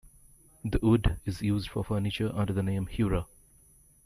The wood is used for furniture under the name "hura".